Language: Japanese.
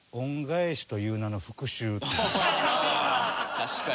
確かに。